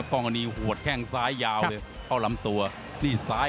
อันนี้หัวดแข้งซ้ายยาวเลย